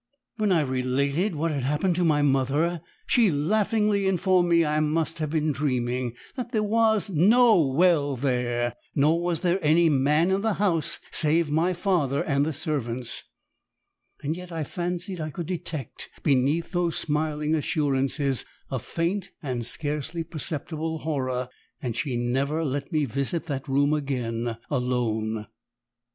When I related what had happened, to my mother, she laughingly informed me I must have been dreaming, that there was NO WELL there, nor was there any man in the house save my father and the servants; yet I fancied I could detect beneath those smiling assurances a faint and scarcely perceptible horror and she never let me visit that room again alone!